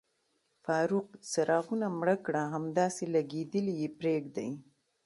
فاروق، څراغونه مړه کړه، همداسې لګېدلي یې پرېږدئ.